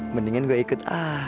mendingan gue ikut